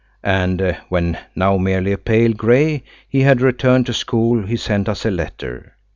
And when, now merely a pale grey, he had returned to school, he sent us a letter.